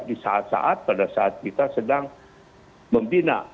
di saat saat pada saat kita sedang membina